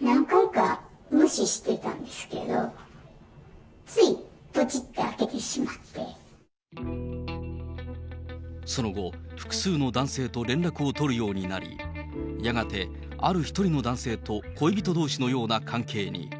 何回か無視してたんですけど、その後、複数の男性と連絡を取るようになり、やがてある１人の男性と恋人どうしのような関係に。